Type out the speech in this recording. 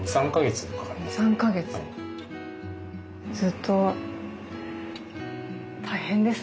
ずっと大変ですね。